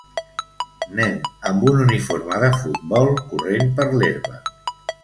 Nen amb un uniforme de futbol corrent per l'herba.